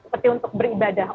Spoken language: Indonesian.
seperti untuk beribadah